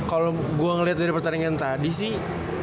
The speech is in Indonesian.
kalau gue ngeliat dari pertandingan tadi sih